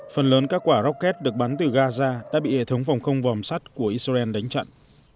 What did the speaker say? phần lớn các quả rocket được bắn từ gaza đã bị hệ thống vòng không vòm sắt của israel đánh chặn